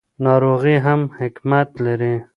ناروغي هم حکمت لري.